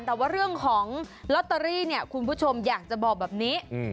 แต่ว่าเรื่องของลอตเตอรี่เนี่ยคุณผู้ชมอยากจะบอกแบบนี้